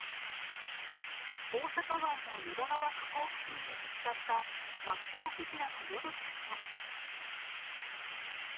大阪湾の淀川河口付近で見つかったマッコウクジラの淀ちゃんや。